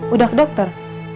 udah ke dokter